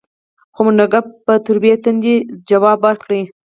خو منډک په تريو تندي ځواب ورکړ.